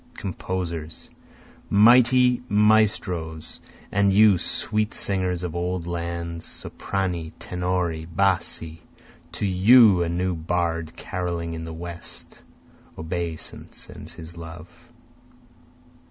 Composers! mighty maestros! And you, sweet singers of old lands, soprani, tenori, bassi! To you a new bard caroling in the West, Obeisant sends his love.